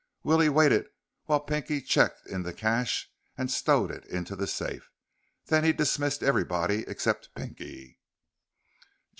Willie waited while Pinky checked in the cash and stowed it into the safe. Then he dismissed everybody except Pinky.